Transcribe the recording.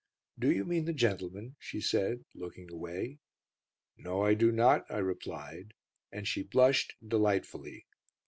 "Do you mean the gentleman?" she said, looking away. "No, I do not," I replied, and she blushed delightfully.